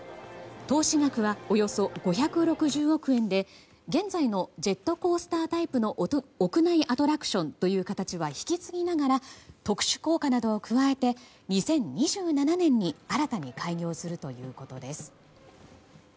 投資額は、およそ５６０億円で現在のジェットコースタータイプの屋内アトラクションという形は引き継ぎながら特殊効果などを加えて２０２７年に新たに開業するということです。